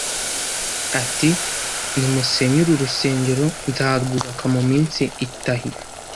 ati: «Nimusenye uru rusengero nzarwubaka mu minsi itahi.»